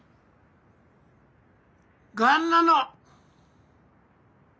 がんなの！